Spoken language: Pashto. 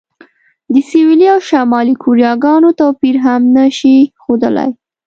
د سویلي او شمالي کوریاګانو توپیر هم نه شي ښودلی.